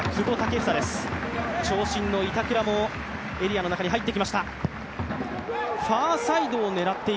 長身の板倉もエリアの中に入ってきました。